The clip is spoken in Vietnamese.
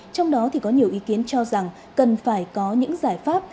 trong đó có nhiều ý kiến cho rằng cần phải có những giải pháp